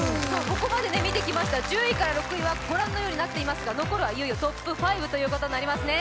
ここまで見てきました１０位から６位はご覧のようになっていますが残るはいよいよトップ５ということになりますね。